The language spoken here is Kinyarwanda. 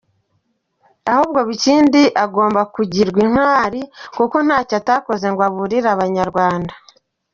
Ahubwo Bikindi agomba kugirwa intwari kuko ntacyo atakoze ngo aburire abanyarwanda.